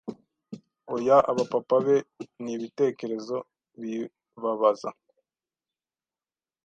Oya Aba papa be nibitekerezo bibabaza